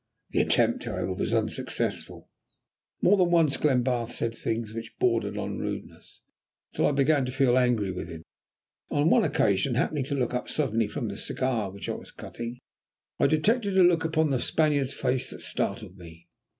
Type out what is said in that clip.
The attempt, however, was unsuccessful. More than once Glenbarth said things which bordered on rudeness, until I began to feel angry with him. On one occasion, happening to look up suddenly from the cigar which I was cutting, I detected a look upon the Spaniard's face that startled me.